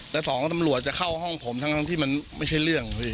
แต่สองตำรวจจะเข้าห้องผมทั้งที่มันไม่ใช่เรื่องพี่